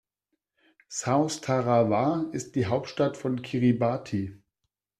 South Tarawa ist die Hauptstadt von Kiribati.